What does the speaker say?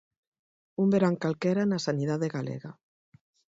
'Un verán calquera na sanidade galega'.